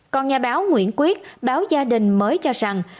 còn nhà báo nguyễn quyết báo gia đình mới cho rằng